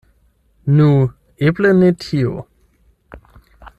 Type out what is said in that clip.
Nu, eble ne tio.